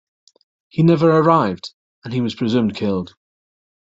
He never arrived, and he was presumed killed.